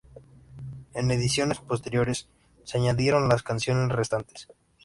En ediciones posteriores se añadieron las canciones restantes.